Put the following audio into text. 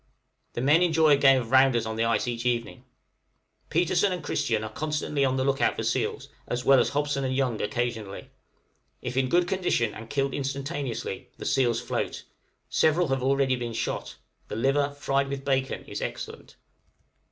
} The men enjoy a game of rounders on the ice each evening; Petersen and Christian are constantly on the look out for seals, as well as Hobson and Young occasionally; if in good condition and killed instantaneously, the seals float; several have already been shot; the liver fried with bacon is excellent.